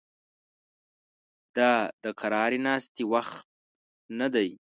دا د قرارې ناستې وخت نه دی